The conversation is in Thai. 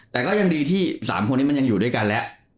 ก็เป็นเรื่องดีที่๓คนนี้มันยังอยู่ด้วยกันแล้ว